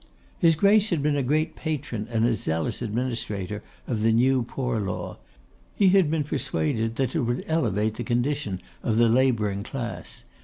His Grace had been a great patron and a zealous administrator of the New Poor Law. He had been persuaded that it would elevate the condition of the labouring class.